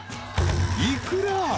イクラ］